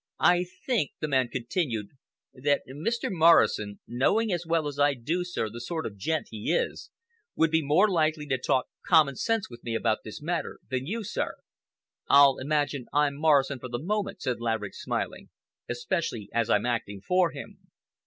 "I think," the man continued, "that Mr. Morrison—knowing, as I well do, sir, the sort of gent he is—would be more likely to talk common sense with me about this matter than you, sir." "I'll imagine I'm Morrison, for the moment," Laverick said smiling, "especially as I'm acting for him."